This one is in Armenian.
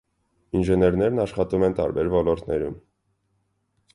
Ինժեներներն աշխատում են տարբեր ոլորտներում։